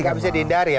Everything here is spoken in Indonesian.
nggak bisa dihindari ya